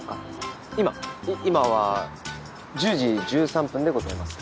今は１０時１３分でございます。